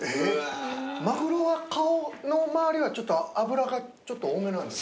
マグロは顔の周りはちょっと脂が多めなんですか？